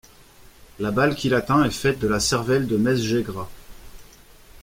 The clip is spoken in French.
La balle qui l’atteint est faite de la cervelle de Mesgegra.